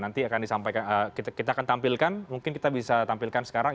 nanti akan disampaikan kita akan tampilkan mungkin kita bisa tampilkan sekarang